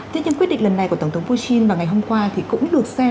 thế nhưng quyết định lần này của tổng thống putin vào ngày hôm qua thì cũng được xem